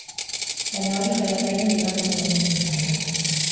Baina hori jaialdiaren bigarren egunean izan da.